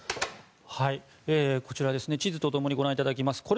こちら地図と共にご覧いただきます。